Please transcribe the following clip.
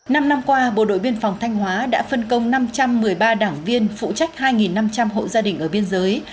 năm năm qua bộ đội biên phòng thanh hóa đã phân công năm trăm một mươi ba đảng viên phụ trách hai năm trăm linh hộ gia đình ở biên giới